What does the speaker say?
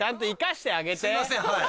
すいませんはい。